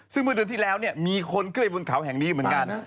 ซึ่งเมื่อเดือนที่แล้วเนี่ยมีคนขึ้นไปบนเขาแห่งนี้เหมือนกัน